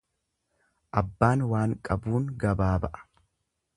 Abbaan waan qabuun gabaa ba'a.